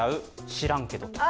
知らんけど。